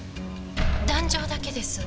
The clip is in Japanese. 壇上だけです。